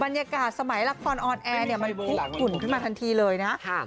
บรรยากาศสมัยละครออนแอร์เนี่ยมันคุกอุ่นขึ้นมาทันทีเลยนะ